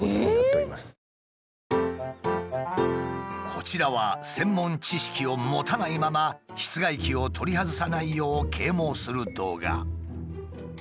こちらは専門知識を持たないまま室外機を取り外さないよう啓蒙する動画。